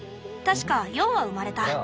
確か４羽生まれた。